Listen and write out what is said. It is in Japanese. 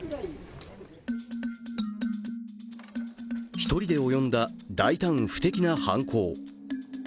１人で及んだ大胆不敵な犯行。